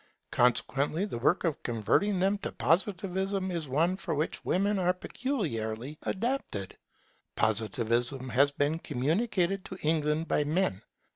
Consequently, the work of converting them to Positivism is one for which women are peculiarly adapted. Positivism has been communicated to England by men.